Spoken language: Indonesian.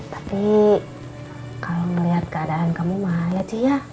tapi kalo ngeliat keadaan kamu mah liat sih ya